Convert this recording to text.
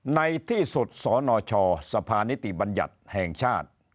ในที่สุดสนชสภานิติบัญญัติแห่งชาติ